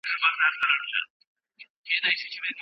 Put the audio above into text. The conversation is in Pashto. فارابي ټولنه د ژوندي وجود سره پرتله کوي.